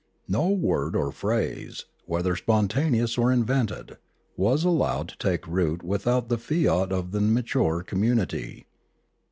No word or phrase, whether spontaneous or invented, was allowed to take root without the fiat of the mature community.